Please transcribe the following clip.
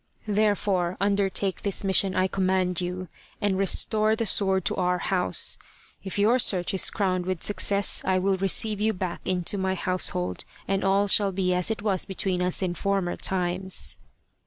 Therefore undertake this mission, I command you, and restore the sword to our house. If your search is crowned with success, I will receive you back into my household, and all shall be as it was between us in former times."